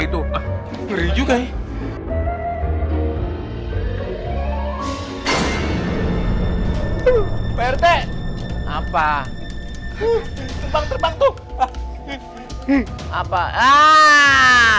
lagu lama biar saya ketakutan kebelakang belakang